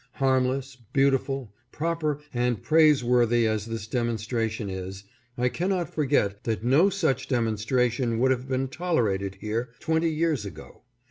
Harmless, beauti ful, proper and praiseworthy as this demonstration is, I can not forget that no such demonstration would have been tolerated here twenty years ago.